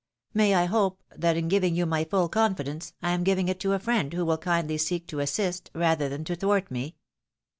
May I hope that in giving you my full confidence, I am giving it to a friend ■who vrill kindly seek to assist rather than to thwart me